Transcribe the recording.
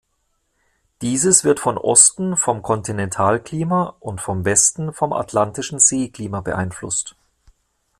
Dieses wird von Osten vom Kontinentalklima und vom Westen vom atlantischen Seeklima beeinflusst.